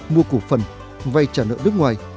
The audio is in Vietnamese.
mua cổ phần vay trả nợ nước ngoài